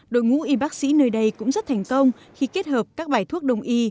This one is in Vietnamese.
đội ngũ y bác sĩ nơi đây cũng rất thành công khi kết hợp các bài thuốc đồng y